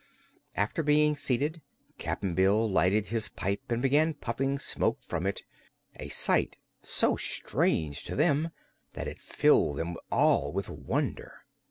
After being seated, Cap'n Bill lighted his pipe and began puffing smoke from it, a sight so strange to them that it filled them all with wonder.